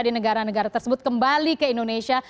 di negara negara tersebut kembali ke indonesia